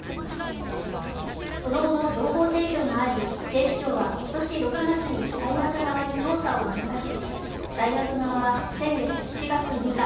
その後も情報提供があり警視庁は今年６月に大学側に調査を促し大学側は先月７月６日